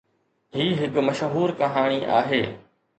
هي هڪ مشهور ڪهاڻي آهي.